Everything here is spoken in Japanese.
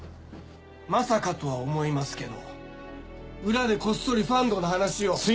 まさかとは思いますけど裏でこっそりファンドの話を。